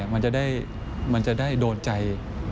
มันจะได้โดนใจ